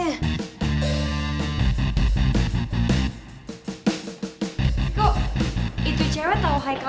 ada di celakas gimana nih